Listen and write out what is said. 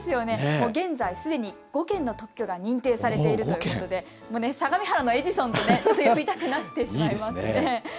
現在すでに５件の特許が認定されているということで相模原のエジソンと呼びたくなってしまいますね。